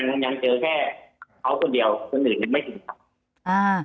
ก็ยังเจอแค่เขาคนเดียวคนอื่นไม่ถึงครับ